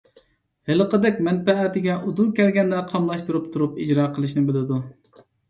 ھېلىقىدەك مەنپەئەتىگە ئۇدۇل كەلگەندە قاملاشتۇرۇپ تۇرۇپ ئىجرا قىلىشنى بىلىدۇ.